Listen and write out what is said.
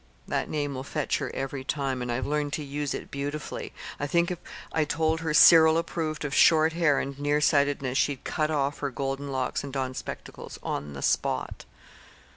That name will fetch her every time, and I've learned to use it beautifully. I think if I told her Cyril approved of short hair and near sightedness she'd I cut off her golden locks and don spectacles on the spot."